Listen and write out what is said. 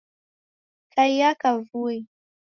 Kaia kavui